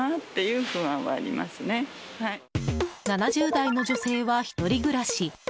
７０代の女性は１人暮らし。